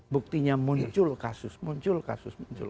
buktinya muncul kasus muncul kasus muncul